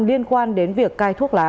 liên quan đến việc cai thuốc lá